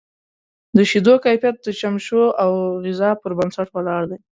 د شیدو کیفیت د چمچو او غذا پر بنسټ ولاړ دی.